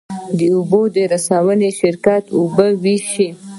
د اوبو رسونې شرکت اوبه ویشي